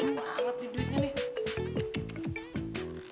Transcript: udah lama banget ini duitnya nih